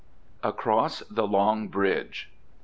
ACROSS THE LONG BRIDGE.